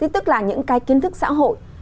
tức là những cái kiến thức xã hội